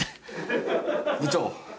部長